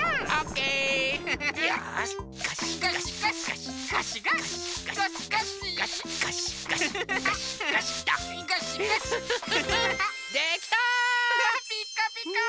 ピカピカ！